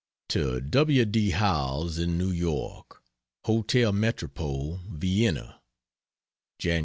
To W. D. Howells, in New York: HOTEL METROPOLE, VIENNA, Jan.